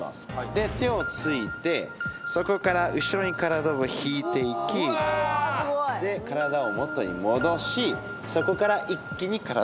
で手を突いてそこから後ろに体を引いていき体を元に戻しそこから一気に体を戻す。